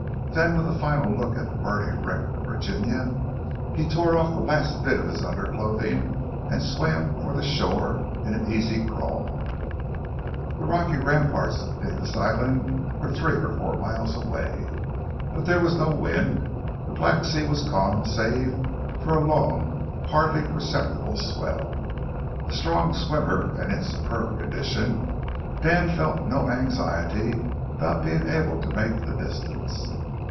Then, with a final look at the burning wreck of the Virginia, he tore off the last bit of his underclothing and swam for the shore in an easy crawl. The rocky ramparts of Davis Island were three or four miles away. But there was no wind; the black sea was calm save for a long, hardly perceptible swell. A strong swimmer and in superb condition, Dan felt no anxiety about being able to make the distance.